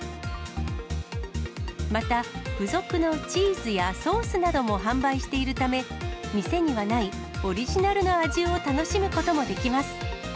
また付属のチーズやソースなども販売しているため、店にはない、オリジナルの味を楽しむこともできます。